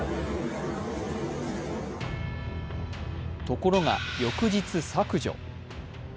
ところが翌日、削除。